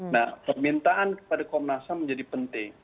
nah permintaan kepada komnas ham menjadi penting